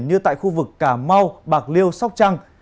như tại khu vực cà mau bạc liêu sóc trăng